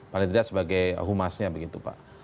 paling tidak sebagai humasnya begitu pak